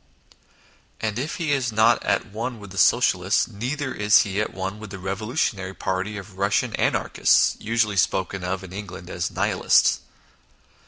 And if he is not at one with the Socialists, neither is he at one with the Eevolutionary party of Kussian Anar chists usually spoken of in England as " Nihilists."